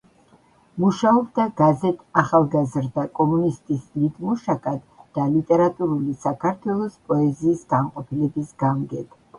მუშაობდა გაზეთ „ახალგაზრდა კომუნისტის“ ლიტმუშაკად და „ლიტერატურული საქართველოს“ პოეზიის განყოფილების გამგედ.